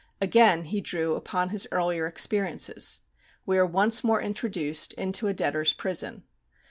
Again he drew upon his earlier experiences. We are once more introduced into a debtors' prison.